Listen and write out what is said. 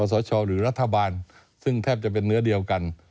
สชหรือรัฐบาลซึ่งแทบจะเป็นเนื้อเดียวกัน